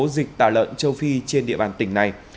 công bố dịch tả lợn châu phi trên địa bàn tỉnh này